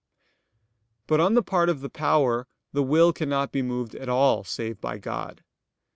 But on the part of the power the will cannot be moved at all save by God.